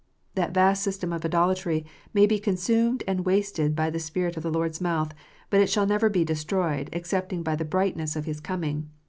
That vast system of idolatry may be consumed and wasted by the Spirit of the Lord s mouth, but it shall never be destroyed excepting by the brightness of His coming.